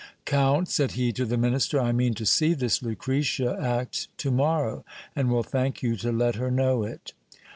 Count, said he to the minister, I mean to see this Lucretia act to morrow, and will thank you to let her know it.